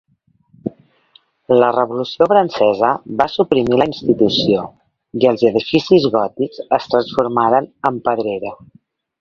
La Revolució francesa va suprimir la institució, i els edificis gòtics es transformaren en pedrera.